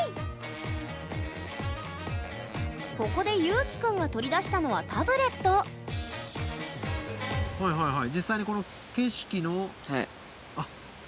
ここでゆうきくんが取り出したのはタブレットはいはいはい。